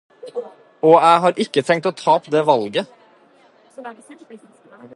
Og jeg har ikke tenkt å tape det valget.